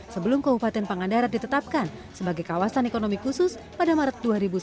sebelum kabupaten pangandaran ditetapkan sebagai kawasan ekonomi khusus pada maret dua ribu sembilan belas